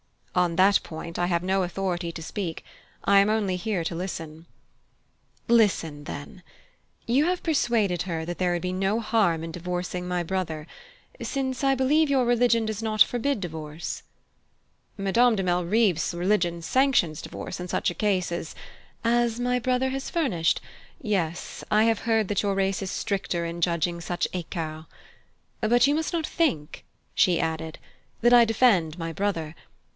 "On that point I have no authority to speak. I am here only to listen." "Listen, then: you have persuaded her that there would be no harm in divorcing my brother since I believe your religion does not forbid divorce?" "Madame de Malrive's religion sanctions divorce in such a case as " "As my brother has furnished? Yes, I have heard that your race is stricter in judging such ecarts. But you must not think," she added, "that I defend my brother.